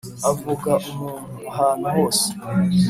avuga umuntu, ahantu hose